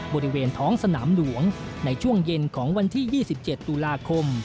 บริเวณท้องสนามหลวงในช่วงเย็นของวันที่๒๗ตุลาคม